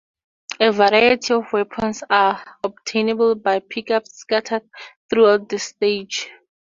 A variety of weapons are obtainable by pick-ups scattered throughout the stage.